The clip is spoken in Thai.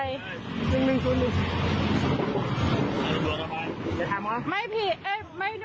มึงแจ้งตรงส่วนแจ้งแจ้งราหัสอะไร